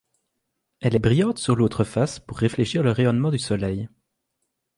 Elle est brillante sur l'autre face pour réfléchir le rayonnement du Soleil.